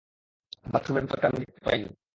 বাথরুমের ভেতরটা আমি দেখতে পাই নি।